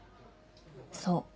そう。